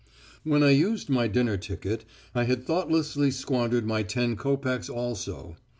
"When I used my dinner ticket I had thoughtlessly squandered my ten copecks also.